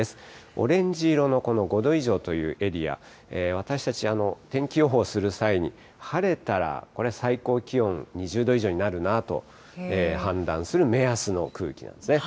オレンジ色のこの５度以上というエリア、私たち、天気予報する際に、晴れたらこれ、最高気温２０度以上になるなと判断する目安の空気なんですね。